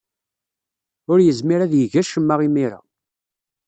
Ur yezmir ad yeg acemma imir-a.